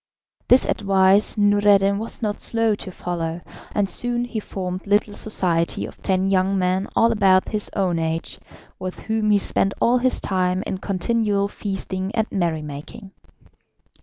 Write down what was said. This advice Noureddin was not slow to follow, and soon he formed little society of ten young men all about his own age, with whom he spent all his time in continual feasting and merry making.